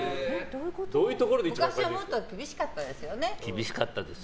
昔はもっと厳しかったですね。